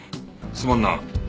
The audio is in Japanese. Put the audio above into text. すまんな。